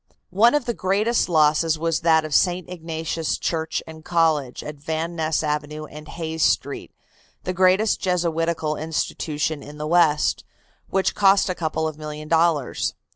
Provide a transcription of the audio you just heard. One of the great losses was that of St. Ignatius' Church and College, at Van Ness Avenue and Hayes Street, the greatest Jesuitical institution in the west, which cost a couple of millions of dollars.